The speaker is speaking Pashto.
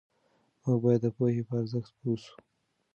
موږ باید د پوهې په ارزښت پوه سو.